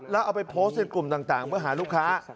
แล้วเอาไปโพสต์ในกลุ่มต่างเพื่อหาลูกค้า